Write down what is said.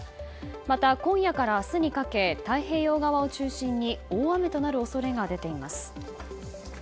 また、今夜から明日にかけ太平洋側を中心に大雨となる恐れが出ています。